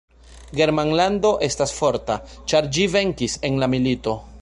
Germanlando estas forta, ĉar ĝi venkis en la milito.